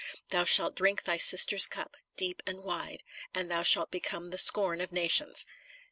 Thou shalt drink thy sister s cup, deep and wide, and thou shalt become the scorn of nations."